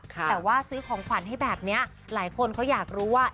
แต่ว่าซื้อของขวัญให้แบบนี้หลายคนเขาอยากรู้ว่า